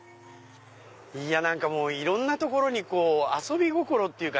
いやいろんな所に遊び心っていうかね。